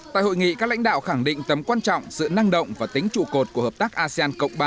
tại hội nghị các lãnh đạo khẳng định tầm quan trọng sự năng động và tính trụ cột của hợp tác asean cộng ba